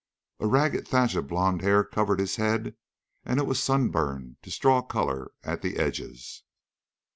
A ragged thatch of blond hair covered his head and it was sunburned to straw color at the edges.